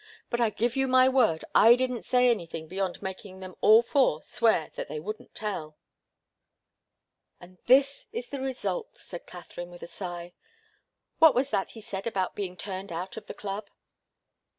But I give you my word, I didn't say anything beyond making them all four swear that they wouldn't tell " "And this is the result!" said Katharine, with a sigh. "What was that he said about being turned out of the club?"